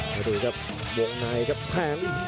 มาดูครับวงในครับแทง